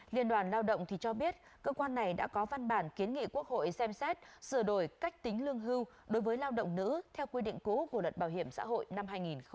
liên đoàn lao động cho biết cơ quan này đã có văn bản kiến nghị quốc hội xem xét sửa đổi cách tính lương hưu đối với lao động nữ theo quy định cũ của luật bảo hiểm xã hội năm hai nghìn một mươi bốn